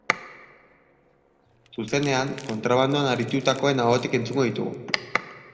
Zuzenean, kontrabandoan aritutakoen ahotik entzungo ditugu.